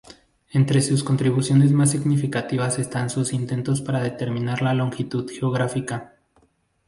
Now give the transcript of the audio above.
Entre sus contribuciones más significativas están sus intentos para determinar la longitud geográfica.